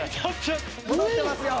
戻ってますよ。